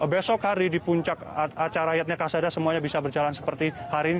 besok hari di puncak acara yatnya kasada semuanya bisa berjalan seperti hari ini